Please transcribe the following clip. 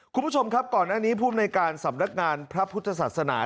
คุณผู้ชมครับก่อนหน้านี้ภูมิในการสำนักงานพระพุทธศาสนา